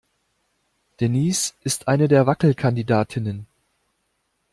Denise ist eine der Wackelkandidatinnen.